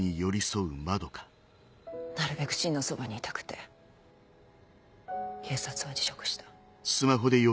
なるべく芯のそばにいたくて警察は辞職した。